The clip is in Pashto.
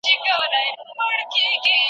اوس په تالا باغچو کې پاڼې لټوومه